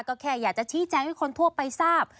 ก็แค่อยากจะชี้แจงให้คนทั่วไปทราบ